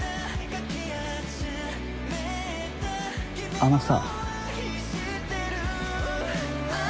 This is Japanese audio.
あのさ。